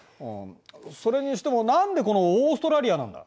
それにしても何でこのオーストラリアなんだ？